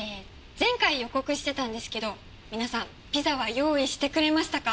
前回予告してたんですけど皆さんピザは用意してくれましたか？